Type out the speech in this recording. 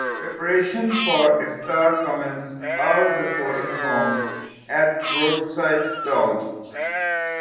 Preparations for iftar commence hours before, in homes and at roadside stalls.